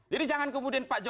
jadi jangan kemudian pak jokowi